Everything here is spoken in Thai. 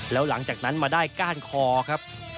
แล้วหลังจากนั้นมาได้ก้านคอครับ